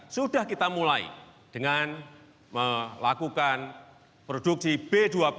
sudah kita mulai dengan melakukan produksi b dua puluh